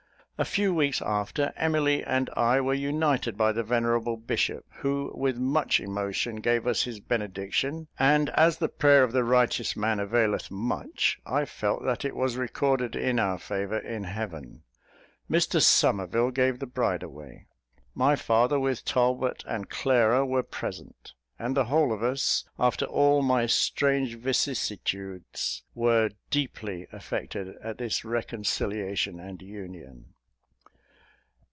A few weeks after, Emily and I were united by the venerable bishop, who, with much emotion, gave us his benediction; and as the prayer of the righteous man availeth much, I felt that it was recorded in our favour in Heaven. Mr Somerville gave the bride away. My father, with Talbot and Clara, were present; and the whole of us, after all my strange vicissitudes, were deeply affected at this reconciliation and union.